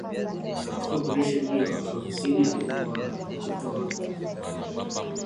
Katika Oparesheni hiyo Afrika kusini ilikuwa ikitoa